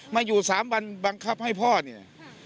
มาอยู่๓วันบังคับให้พ่อเนี่ย